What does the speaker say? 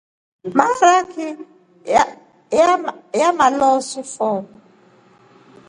Maaraki ya amalosu fo.